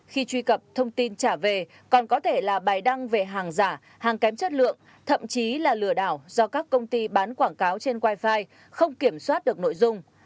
khi truy cập thông tin trả về còn có thể là bài đăng về hàng giả hàng kém chất lượng thậm chí là lừa đảo do các công ty bán quảng cáo trên wifi không kiểm soát được nội dung